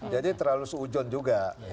jadi terlalu seujun juga